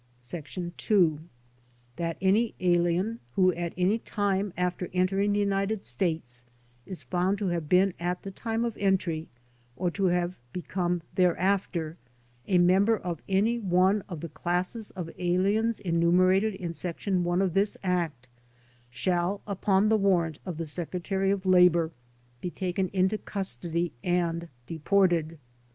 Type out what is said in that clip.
"Sbc. 2. That any alien, who at any time after entering the United States, is found to have been at the time of entry, or to have become thereafter, a member of any one of the classes of aliens enumerated in section one of this act, shall, upon the warrant of the Secretary of Labor, be taken into custody and deported.